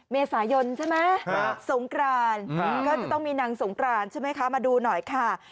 เมษายนใช่ไหมสงกรานก็จะต้องมีนางสงกรานใช่ไหมคะมาดูหน่อยค่ะ